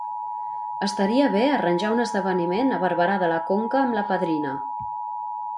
Estaria bé arranjar un esdeveniment a Barberà de la Conca amb la padrina.